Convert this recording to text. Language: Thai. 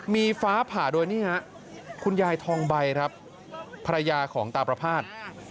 มีฟ้าผ่าโดยนี่ฮะคุณยายทองใบครับภรรยาของตาประพาท